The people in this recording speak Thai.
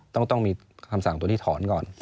ต้องมีคำสั่งตัวนี้ถอนก่อน